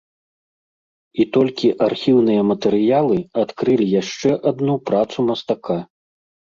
І толькі архіўныя матэрыялы адкрылі яшчэ адну працу мастака.